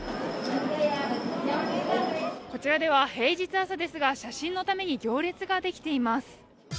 こちらでは平日朝ですが、写真のために行列ができています。